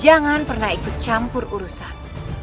jangan pernah ikut campur urusan